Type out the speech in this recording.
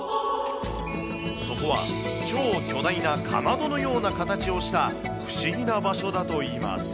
そこは超巨大なカマドのような形をした不思議な場所だといいます。